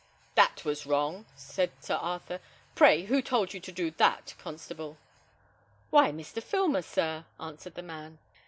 "That was wrong," said Sir Arthur. "Pray, who told you to do that, constable?" "Why, Mr. Filmer, sir," answered the man.